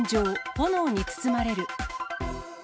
炎に包まれる。